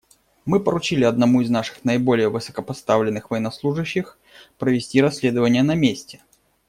Мы поручили одному из наших наиболее высокопоставленных военнослужащих провести расследование на месте.